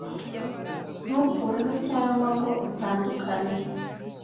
Ntukureho cyangwa ngo utandukane